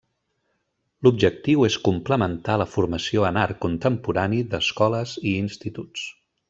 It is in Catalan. L'objectiu és complementar la formació en art contemporani d’escoles i instituts.